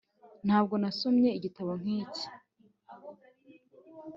ntabwo nasomye igitabo nk'iki